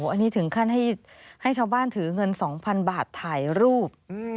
อันนี้ถึงขั้นให้ชาวบ้านถือเงิน๒๐๐๐บาทถ่ายรูป